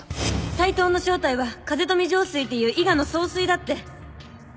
「斉藤の正体は風富城水っていう伊賀の総帥だって」